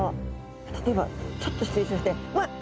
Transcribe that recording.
例えばちょっと失礼しましてわっ！